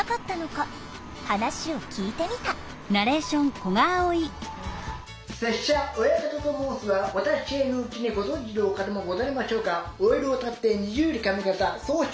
話を聞いてみた「拙者親方と申すはお立ち合いのうちにご存じのお方もござりましょうがお江戸をたって二十里上方相州